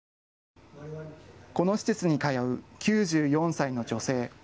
この施設に通う９４歳の女性。